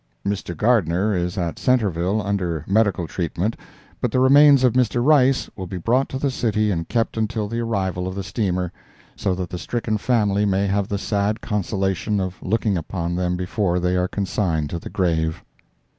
Mr. Gardner is at Centreville, under medical treatment, but the remains of Mr. Rice will be brought to the city and kept until the arrival of the steamer, so that the stricken family may have the sad consolation of looking upon them before they are consigned to the grave.